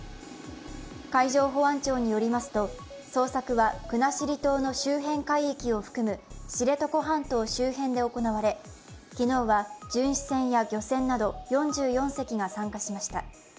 海上保安庁によりますと捜索は国後島の周辺海域を含む知床半島周辺で行われ、昨日は巡視船や漁船など４４隻が参加しました。